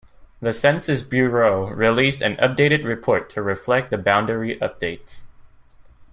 The census bureau released an updated report to reflect the boundary updates.